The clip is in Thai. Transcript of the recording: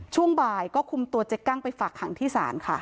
ช่วงบ่ายก็คุมตัวเจ๊กั้งไปฝากขังที่ศาลค่ะ